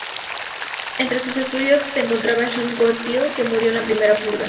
Entre sus estudiantes se encontraba Kim Goeng-pil, que murió en la primera purga.